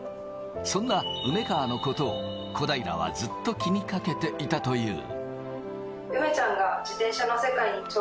そんな梅川のことを小平は、ずっと気にかけていたという。